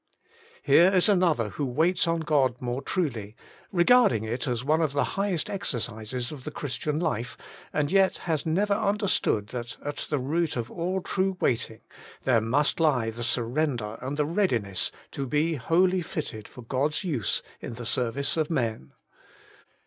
Here is another who waits on God more truly, re garding it as one of the highest exercises of the Christian life, and yet has never un derstood that at the root of all true waiting there must lie the surrender and the readi ness to be wholly fitted for God's use in the service of men.